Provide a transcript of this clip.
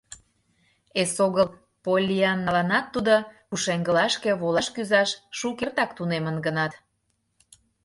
Эсогыл Поллианналанат, тудо пушеҥгылашке волаш-кӱзаш шукертак тунемын гынат.